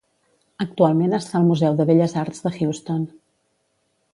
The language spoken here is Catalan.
Actualment està al Museu de Belles Arts de Houston.